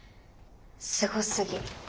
すごすぎ。